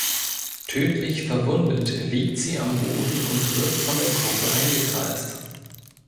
Tödlich verwundet liegt sie am Boden und wird von der Gruppe eingekreist.